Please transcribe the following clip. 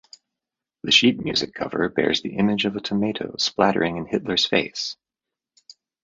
The sheet music cover bears the image of a tomato splattering in Hitler's face.